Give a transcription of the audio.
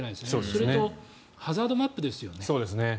それとハザードマップですよね。